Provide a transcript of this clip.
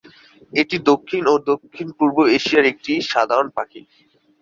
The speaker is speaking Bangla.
এটি দক্ষিণ ও দক্ষিণ-পূর্ব এশিয়ার একটি সাধারণ পাখি।